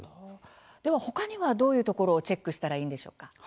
では他にはどういうところをチェックしたらいいんでしょうか？